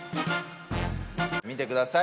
見てください。